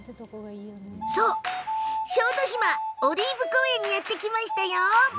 小豆島オリーブ公園にやって来ました。